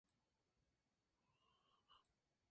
Integró la comisión de Constitución, Legislación y Justicia.